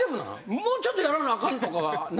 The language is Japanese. もうちょっとやらなあかんとかはないのかな？